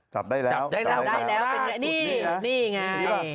จับได้แล้วได้แล้วได้แล้วเป็นไงนี่นี่ไง